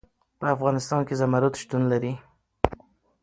په افغانستان کې زمرد شتون لري.